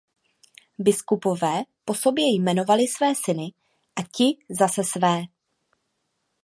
Biskupové po sobě jmenovali své syny a ti zase své.